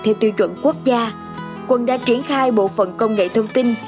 theo tiêu chuẩn quốc gia quận đã triển khai bộ phận công nghệ thông tin